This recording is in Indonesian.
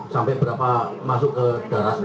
sampai berapa masuk ke garasi